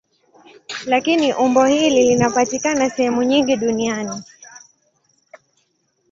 Lakini umbo hili linapatikana sehemu nyingi duniani.